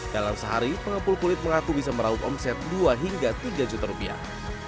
dalam sehari pengepul kulit mengaku bisa meraup omset dua hingga tiga juta rupiah